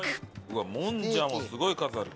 うわっもんじゃもすごい数ある。